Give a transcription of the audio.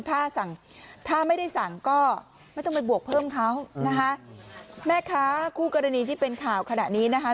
ถ้าสั่งถ้าไม่ได้สั่งก็ไม่ต้องไปบวกเพิ่มเขานะคะแม่ค้าคู่กรณีที่เป็นข่าวขณะนี้นะคะ